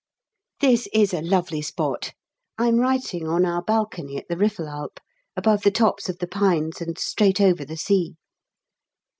This is a lovely spot. I'm writing on our balcony at the Riffelalp, above the tops of the pines, and straight over the sea.